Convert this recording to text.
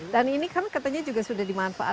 dan ini kan katanya juga sudah dimanfaatkan